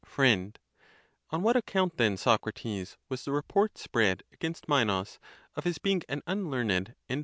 [16.] #7. On what account then, Socrates, was the report spread against Minos, of his being an unlearned and morose man